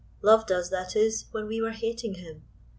Loved us, that is, when we were hating him.